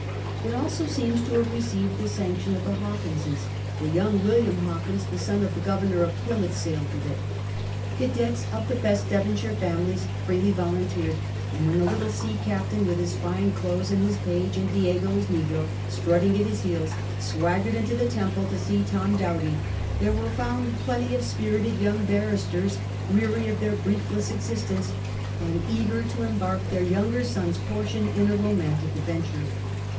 It also seems to have received the sanction of the Hawkinses, for young William Hawkins, the son of the Governor of Plymouth, sailed with it. Cadets of the best Devonshire families^ freely volimteered, and when the little sea captain with his fine clothes and his page, and Diego, his negro, strutting at his heels, swaggered into the Temple to see Tom Doughty, there were found plenty of spirited young barristers weary of their briefless existence and eager to embark their younger sons' portion in a romantic adventure.